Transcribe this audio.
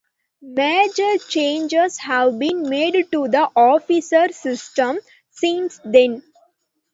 Major changes have been made to the officer system since then.